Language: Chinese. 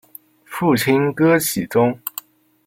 父亲戈启宗。